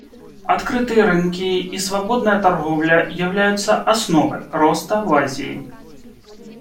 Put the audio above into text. Открытые рынки и свободная торговля являются основой роста в Азии.